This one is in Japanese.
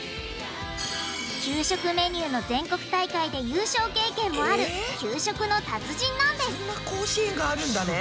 給食メニューの全国大会で優勝経験もある給食の達人なんですそんな甲子園があるんだね。